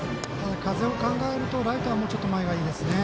風を考えるとライトはもう少し前がいいですね。